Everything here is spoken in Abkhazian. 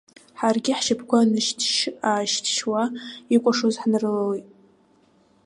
Ҳаргьы ҳшьапқәа нышьҭшь-аашьҭшьуа икәашоз ҳнарылалеит.